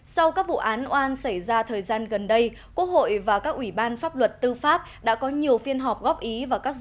sau các vụ án oan xảy ra thời gian gần đây quốc hội và các ủy ban pháp luật tư pháp đã có nhiều phiên họp góp ý và các dự án luật liên quan đến tài liệu